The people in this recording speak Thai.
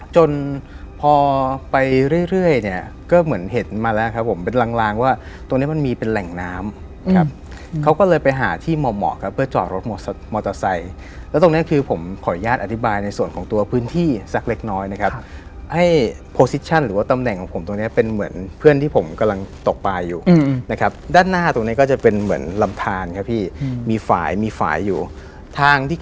จนพอไปเรื่อยเนี่ยก็เหมือนเห็นมาแล้วครับผมเป็นลางว่าตรงนี้มันมีเป็นแหล่งน้ำครับเขาก็เลยไปหาที่เหมาะครับเพื่อจอดรถมอเตอร์ไซค์แล้วตรงนี้คือผมขออนุญาตอธิบายในส่วนของตัวพื้นที่สักเล็กน้อยนะครับให้โปสิชั่นหรือว่าตำแหน่งของผมตรงนี้เป็นเหมือนเพื่อนที่ผมกำลังตกปลายอยู่นะครับด้านหน้าตรง